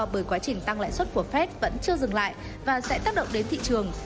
bởi quá trình tăng lãi suất của fed vẫn chưa dừng lại và sẽ tác động đến thị trường